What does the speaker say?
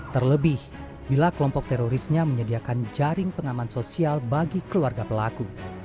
terlebih bila kelompok terorisnya menyediakan jaring pengaman sosial bagi keluarga pelaku